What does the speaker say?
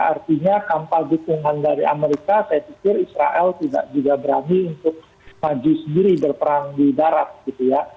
artinya kapal dukungan dari amerika saya pikir israel tidak juga berani untuk maju sendiri berperang di darat gitu ya